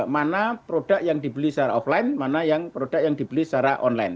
mana produk yang dibeli secara offline mana yang produk yang dibeli secara online